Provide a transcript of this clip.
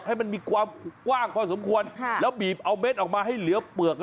ให้มันมีความกว้างพอสมควรแล้วบีบเอาเม็ดออกมาให้เหลือเปลือก